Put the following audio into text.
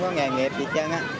không có nghề nghiệp gì hết trơn á